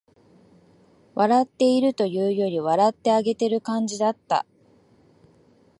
笑っているというより、笑ってあげてる感じだった